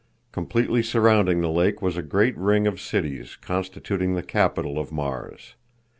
Completely surrounding the lake was a great ring of cities constituting the capital of Mars.